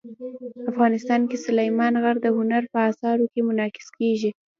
افغانستان کې سلیمان غر د هنر په اثارو کې منعکس کېږي.